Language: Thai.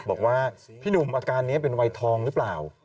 บอกว่าพี่หนุ่มอาการนี้เป็นวัยทองหรือเปล่า